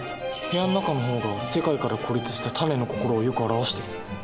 部屋の中の方が世界から孤立したタネの心をよく表している。